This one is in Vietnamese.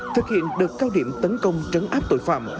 thực hiện được cao điểm tấn công trấn áp tội phạm